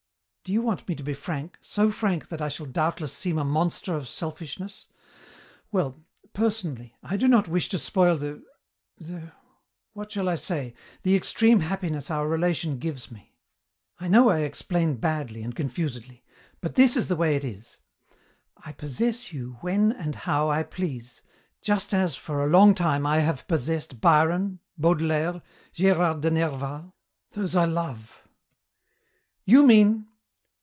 Do you want me to be frank, so frank that I shall doubtless seem a monster of selfishness? Well, personally, I do not wish to spoil the the what shall I say? the extreme happiness our relation gives me. I know I explain badly and confusedly, but this is the way it is: I possess you when and how I please, just as, for a long time, I have possessed Byron, Baudelaire, Gérard de Nerval, those I love " "You mean